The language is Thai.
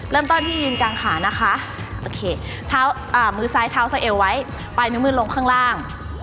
เริ่มตอนที่ยืนกลางขานะคะโอเคท้าวอ่ามือซ้ายท้าวซะเอวไว้ไปมือมือลงข้างล่าง